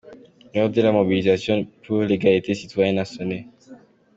L’heure de la mobilisation pour l’égalité citoyenne a sonné.